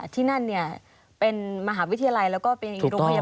ที่นั้น